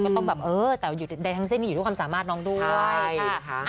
ก็ต้องแบบเออแต่ในทั้งเส้นอยู่ความสามารถน้องดูเลยค่ะ